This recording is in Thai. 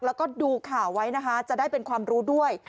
แล้วก็ดูข่าวไว้นะคะจะได้เป็นความรู้ด้วย